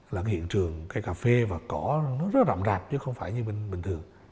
là cái hiện trường cây cà phê và cỏ nó rất là rộng rạp chứ không phải như bên bình thường